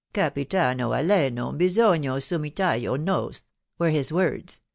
' Capitano Alleno, bisogno submittajo nos,' were his words